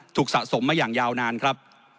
สะสมมาอย่างยาวนานครับ